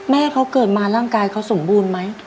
แม่เขาเกิดมาร่างกายเขาสมบูรณ์ไหม